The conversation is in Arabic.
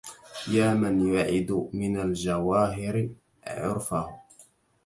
يا من يعد من الجواهر عرفه